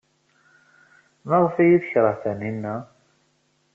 Maɣef ay iyi-tekṛeh Taninna?